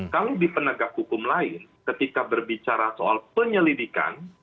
kalau di penegak hukum lain ketika berbicara soal penyelidikan